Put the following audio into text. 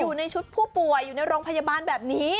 อยู่ในชุดผู้ป่วยอยู่ในโรงพยาบาลแบบนี้